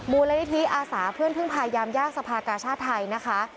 มูลนิธิอาสาเพื่อนพึ่งพายามยากสภากาชาติไทยนะคะ